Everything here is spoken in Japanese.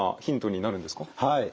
はい。